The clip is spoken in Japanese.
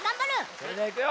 それではいくよ！